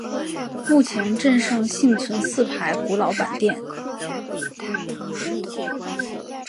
目前镇上幸存四排古老板店。